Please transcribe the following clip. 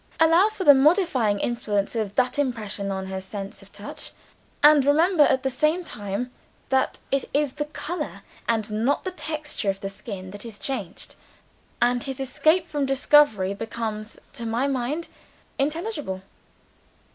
Allow for the modifying influence of that impression on her sense of touch and remember at the same time, that it is the color and not the texture of the skin that is changed and his escape from discovery becomes, to my mind, intelligible."